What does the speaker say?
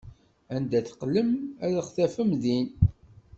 Anda teqqlem, ad ɣ-tafem din!